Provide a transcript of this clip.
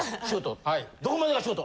どこまでが仕事？